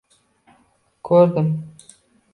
Ko’rdim.